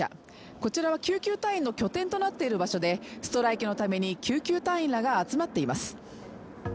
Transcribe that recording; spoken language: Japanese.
こちらは救急隊員の拠点となっている場所でストライキのために救急隊員らが集まっています。